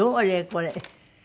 これ。